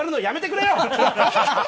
やめてくれ！